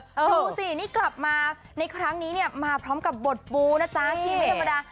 ดูสินี่กลับมาในครั้งนี้เนี่ยมาพร้อมกับบทบูนะจ๊ะชื่อไม่ธรรมดา